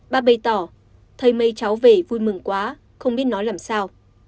bà bày tỏ thầy mấy cháu về vui mừng quá không biết nói làm sao